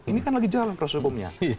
ini kan lagi jalan proses hukumnya